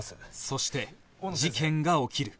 そして事件が起きる